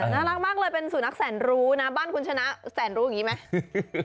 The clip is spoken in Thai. น่ารักมากเลยเป็นสุนัขแสนรู้นะบ้านคุณชนะแสนรู้อย่างนี้ไหม